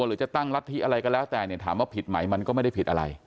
หรือจะตั้งรัฐธิอะไรก็แล้วแต่เนี่ยถามว่าผิดไหมมันก็ไม่ได้ผิดอะไร